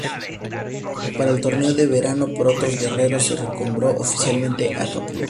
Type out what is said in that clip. Para el torneo de Verano Potros Guerrero se renombró oficialmente Acapulco.